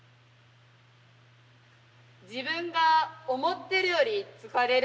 自分が思ってるより疲れるんよな。